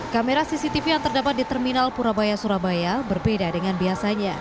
kamera cctv yang terdapat di terminal purabaya surabaya berbeda dengan biasanya